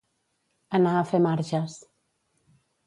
Anar a fer marges.